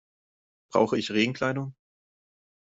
Brauche ich Regenkleidung?